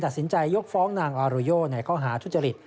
ตัดสินใจยกฟ้องนางอารูโย่ในข้อหาทุจริต